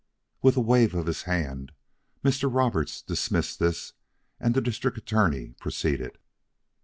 With a wave of his hand, Mr. Roberts dismissed this, and the District Attorney proceeded.